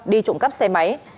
đi trộm cắt xe máy